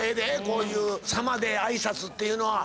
こういうさまで挨拶っていうのは。